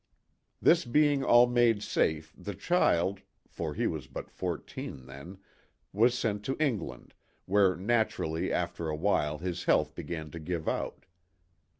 This being all made safe the child for he was but fourteen then was sent to England, where naturally after awhile his health began to give out.